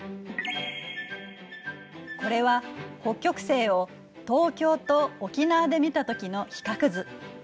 これは北極星を東京と沖縄で見た時の比較図。